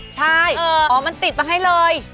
ใช่อ๋อมันติดมาให้เลย